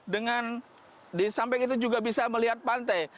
dengan di samping itu juga bisa melihat pantai